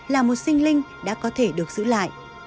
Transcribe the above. là một sinh linh đã có thể được giữ lại